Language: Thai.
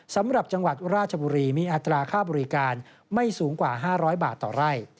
สำหรับจังหวัดราชบุรีมีอัตราค่าบริการไม่สูงกว่า๕๐๐บาทต่อไร่